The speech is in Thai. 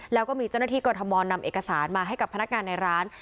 แล้วก็มีเจ้าหน้าที่กรทมนำเอกสารมาให้กับพนักงานในร้าน